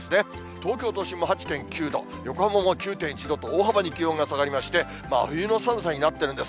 東京都心も８．９度、横浜も９．１度と、大幅に気温が下がりまして、真冬の寒さになっているんです。